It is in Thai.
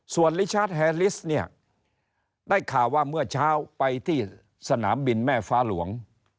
ส่วนลิชาร์จแฮลิสเนี่ยได้ข่าวว่าเมื่อเช้าไปที่สนามบินแม่ฟ้าหลวง